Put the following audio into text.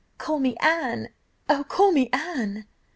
"'Call me Anne! O call me Anne!